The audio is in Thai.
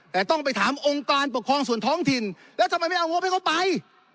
แต่ต้องไปถามองค์การปกครองส่วนท้องถิ่นแล้วทำไมไม่เอางบให้เขาไป